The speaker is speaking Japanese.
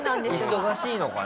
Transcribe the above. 忙しいのかな？